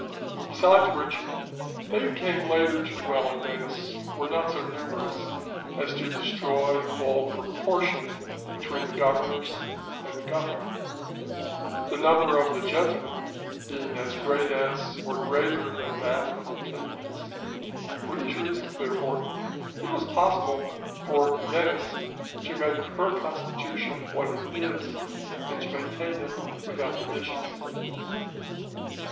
Besides which, they who came later to dwell in Venice were not so numerous as to destroy all proportion between the governors and the governed; the number of the "Gentlemen" being as great as, or greater than that of the "Plebeians." For these reasons, therefore, it was possible for Venice to make her constitution what it is, and to maintain it without divisions.